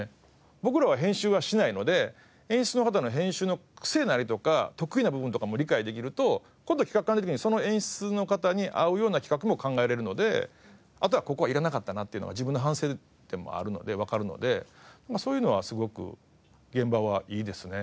僕らは編集はしないので演出の方の編集のクセなりとか得意な部分とかも理解できると今度企画考えた時にその演出の方に合うような企画も考えられるのであとはここはいらなかったなっていうのが自分の反省点もわかるのでそういうのはすごく現場はいいですね。